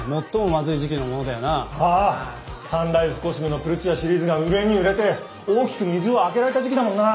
サンライフコスメの「ぷるツヤ」シリーズが売れに売れて大きく水をあけられた時期だもんな。